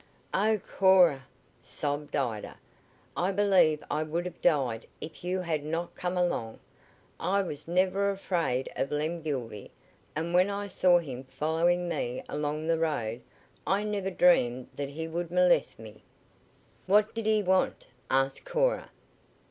"Oh, Cora!" sobbed Ida. "I believe I would have died if you had not come along. I was never afraid of Lem Gildy, and when I saw him following me along the road I never dreamed that he would molest me." "What did he want?" asked Cora.